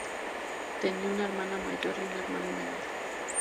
Tenía una hermana mayor y un hermano menor.